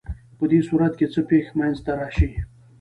په دې صورت کې څه پېښه منځ ته راشي؟